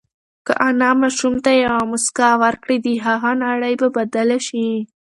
که انا ماشوم ته یوه مسکا ورکړي، د هغه نړۍ به بدله شي.